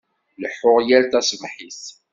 Leḥḥuɣ yal taṣebḥit.